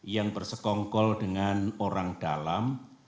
yang bersekongkol dengan orang dalam